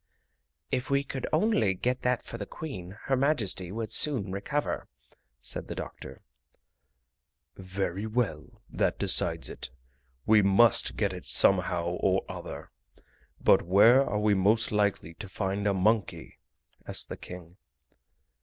"If we could only get that for the Queen, Her Majesty would soon recover," said the doctor. "Very well, that decides it; we MUST get it somehow or other. But where are we most likely to find a monkey?" asked the King.